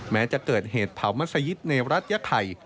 แม้จะเกิดเหตุเผามัศยิตในรัฐยะไข่